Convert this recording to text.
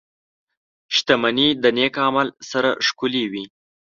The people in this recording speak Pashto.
• شتمني د نېک عمل سره ښکلې وي.